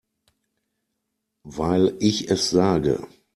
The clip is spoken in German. Weil ich es sage.